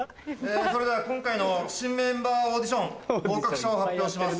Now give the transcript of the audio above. それでは今回の新メンバーオーディション合格者を発表します。